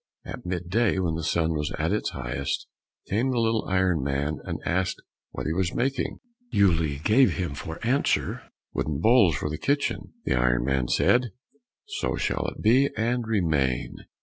At mid day, when the sun was at the highest, came the little iron man and asked what he was making? Uele gave him for answer, "Wooden bowls for the kitchen." The iron man said, "So it shall be, and remain."